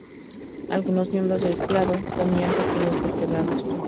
Algunos miembros del clado comían pequeños vertebrados.